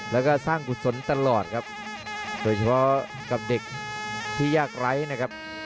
แล้วก็สร้างกุศลตลอดครับโดยเฉพาะกับเด็กที่ยากไร้นะครับ